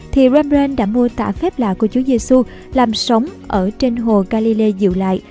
thì rembrandt đã mô tả phép lạ của chúa giê xu làm sóng ở trên hồ galilei dịu lại